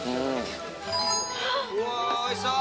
うわおいしそう！